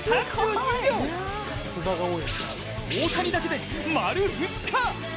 大谷だけで丸２日。